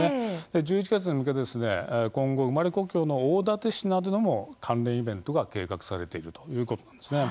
１１月に向けて今後生まれ故郷の大館市などでも関連イベントが計画されているということなんです。